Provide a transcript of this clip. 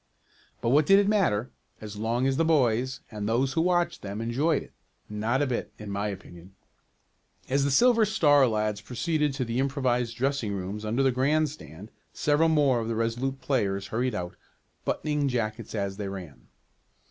But what did it matter as long as the boys, and those who watched them, enjoyed it? Not a bit, in my opinion. As the Silver Star lads proceeded to the improvised dressing rooms under the grandstand, several more of the Resolute players hurried out, buttoning jackets as they ran.